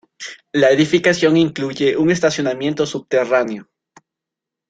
La edificación incluye un estacionamiento subterráneo.